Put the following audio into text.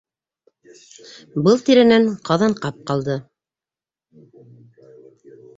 Был тирәнән Ҡаҙанҡап ҡалды.